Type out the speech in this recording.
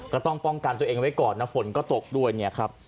ก็ต้องป้องกันตัวเองไว้ก่อนนะฝนก็ตกด้วยเนี่ยครับ